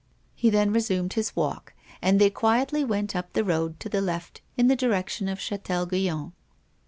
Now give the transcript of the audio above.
He then resumed his walk, and they quietly went up the road to the left in the direction of Chatel Guyon.